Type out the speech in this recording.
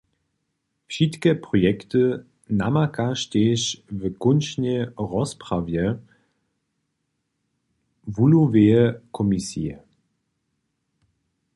Wšitke projekty namakaš tež w kónčnej rozprawje wuhloweje komisije.